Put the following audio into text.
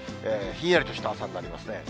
ひんやりとした朝になりますね。